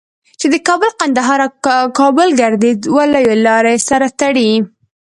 چې د کابل قندهار او کابل گردیز دوه لویې لارې سره تړي.